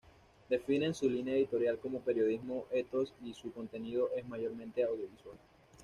Definen su linea editorial como Periodismo Ethos y su contenido es mayormente audiovisual.